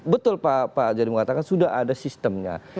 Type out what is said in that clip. betul pak jadi mengatakan sudah ada sistemnya